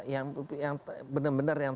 yang benar benar yang